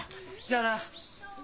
じゃあな。